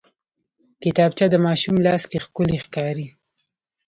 کتابچه د ماشوم لاس کې ښکلي ښکاري